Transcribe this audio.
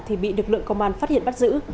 thì bị lực lượng công an phát hiện bắt giữ